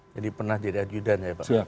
jadi pernah jadi ajudan ya pak